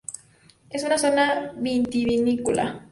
Es una zona vitivinícola.